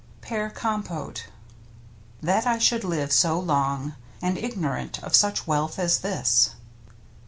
PEAR COMPOTE That I should live so long And ignorant of such wealth as this.